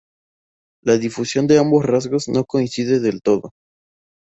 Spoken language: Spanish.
La difusión de ambos rasgos no coincide del todo.